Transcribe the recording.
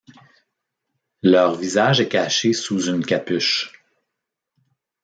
Leur visage est caché sous une capuche.